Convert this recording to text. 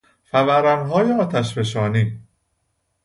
فورانهای آتشفشانی